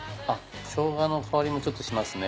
ショウガの香りもちょっとしますね。